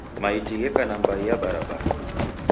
Maiti gheka nambai ya barabara.